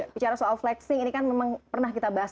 bicara soal flexing ini kan memang pernah kita bahas